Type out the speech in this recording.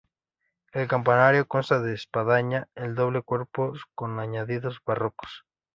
El campanario consta de espadaña de doble cuerpo con añadidos barrocos.